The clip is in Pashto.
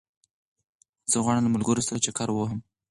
زه غواړم له ملګرو سره چکر ووهم